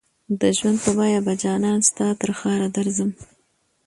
د ژوند په بیه به جانانه ستا ترښاره درځم